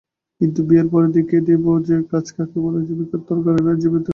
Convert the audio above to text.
কিন্তু বিয়ের পরেই দেখিয়ে দেব কাজ কাকে বলে–জীবিকার দরকারে নয়, জীবনের দরকারে।